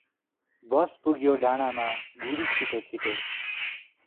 बस पुग्यो डाँडामा, गुडी छिटो छिटो ।